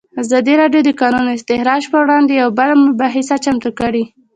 ازادي راډیو د د کانونو استخراج پر وړاندې یوه مباحثه چمتو کړې.